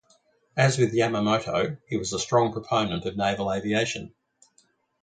As with Yamamoto, he was a strong proponent of naval aviation.